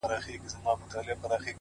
• كه ملاقات مو په همدې ورځ وسو؛